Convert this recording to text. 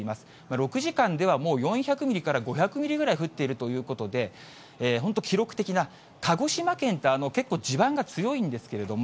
６時間ではもう４００ミリから５００ミリぐらい降っているということで、本当、記録的な、鹿児島県って、結構、地盤が強いんですけれども、